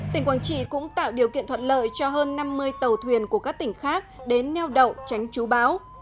tỉnh quảng trị cũng tạo điều kiện thuận lợi cho hơn năm mươi tàu thuyền của các tỉnh khác đến neo đậu tránh chú bão